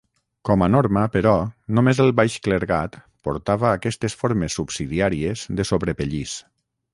Com a norma, però, només el baix clergat portava aquestes formes subsidiàries de sobrepellís.